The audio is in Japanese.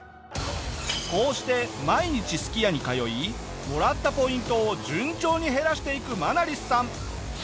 こうして毎日すき家に通いもらったポイントを順調に減らしていくマナリスさん。